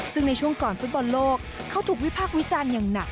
ซึ่งในช่วงก่อนฟุตบอลโลกเขาถูกวิพากษ์วิจารณ์อย่างหนัก